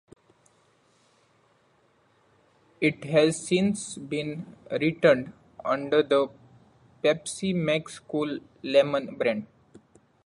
It has since been returned under the "Pepsi Max Cool Lemon" brand.